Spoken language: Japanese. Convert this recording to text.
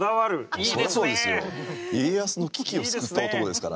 家康の危機を救った男ですから。